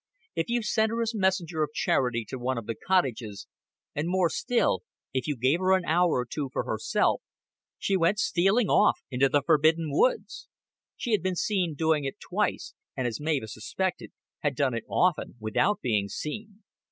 If you sent her as messenger of charity to one of the cottages, and more still if you gave her an hour or two for herself, she went stealing off into the forbidden woods. She had been seen doing it twice, and, as Mavis suspected, had done it often without being seen.